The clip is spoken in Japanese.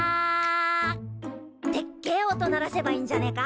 でっけえ音鳴らせばいいんじゃねえか？